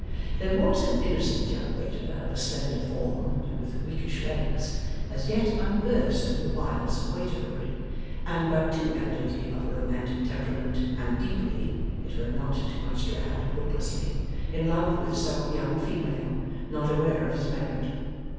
There was an innocent young waiter of a slender form and with weakish legs, as yet unversed in the wiles of waiterhood, and but too evidently of a romantic temperament, and deeply (it were not too much to add hopelessly) in love with some young female not aware of his merit.